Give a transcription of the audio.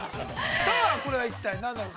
さあこれは一体何なのか。